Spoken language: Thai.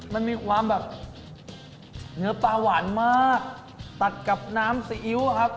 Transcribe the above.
มันมีความแบบเนื้อปลาหวานมากตัดกับน้ำซีอิ๊วอะครับ